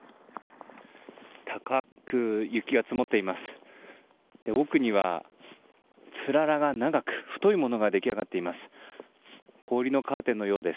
高く雪が積もっています。